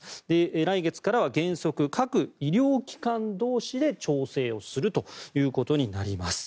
来月からは原則、各医療機関同士で調整をするということになります。